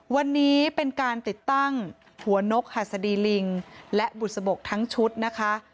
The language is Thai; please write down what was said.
วันนี้เป็นการติดตั้งหัวนกหัสดีลิงและบุษบกทั้งชุดนะคะ